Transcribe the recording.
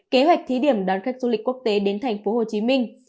kế hoạch thí điểm đón khách du lịch quốc tế đến tp hcm